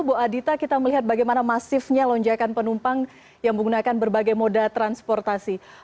bu adita kita melihat bagaimana masifnya lonjakan penumpang yang menggunakan berbagai moda transportasi